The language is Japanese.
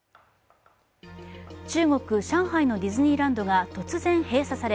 中国・上海のディズニーランドが突然、閉鎖され